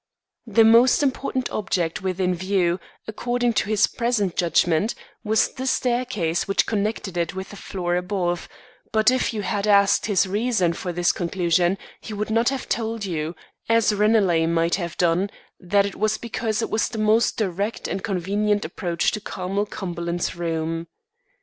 The most important object within view, according to his present judgment, was the staircase which connected it with the floor above; but if you had asked his reason for this conclusion, he would not have told you, as Ranelagh might have done, that it was because it was the most direct and convenient approach to Carmel Cumberland's room.